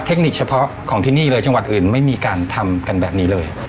คนิคเฉพาะของที่นี่เลยจังหวัดอื่นไม่มีการทำกันแบบนี้เลย